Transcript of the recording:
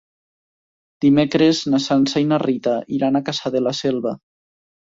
Dimecres na Sança i na Rita iran a Cassà de la Selva.